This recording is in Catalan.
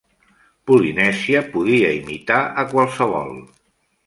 Polynesia podia imitar a qualsevol.